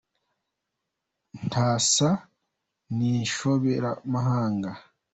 Ntasa n’inshoberamahanga